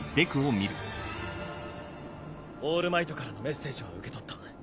オールマイトからのメッセージは受け取った。